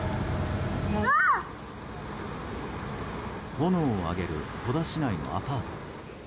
炎を上げる戸田市のアパート。